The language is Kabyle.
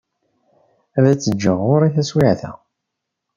Ad tt-ǧǧeɣ ɣur-i taswiεt-a.